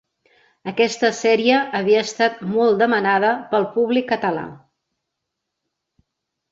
Aquesta sèrie havia estat molt demanada pel públic català.